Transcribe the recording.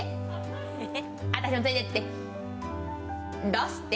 どうして？